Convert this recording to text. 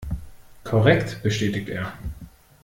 Korrekt, bestätigt er.